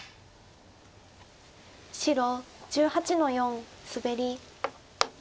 白１８の四スベリ。